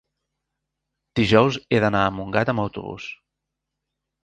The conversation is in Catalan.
dijous he d'anar a Montgat amb autobús.